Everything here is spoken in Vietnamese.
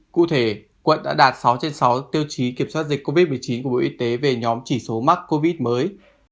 cụ thể quận đã đạt sáu trên sáu tiêu chí kiểm soát dịch covid một mươi chín của bộ y tế về nhóm chỉ số mắc covid mới